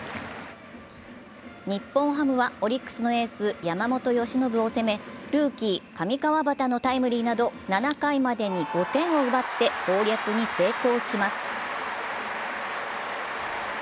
日本ハムは、オリックスのエース・山本由伸を攻めルーキー・上川畑のタイムリーなど７回までに５点奪って攻略に成功します。